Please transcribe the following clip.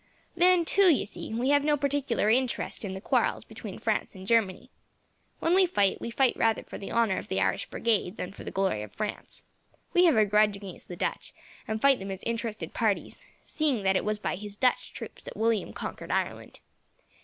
"Then, too, you see, we have no particular interest in the quarrels between France and Germany. When we fight, we fight rather for the honour of the Irish Brigade, than for the glory of France. We have a grudge against the Dutch, and fight them as interested parties, seeing that it was by his Dutch troops that William conquered Ireland.